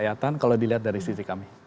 kelihatan kalau dilihat dari sisi kami